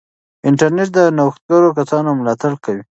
انټرنیټ د نوښتګرو کسانو ملاتړ کوي.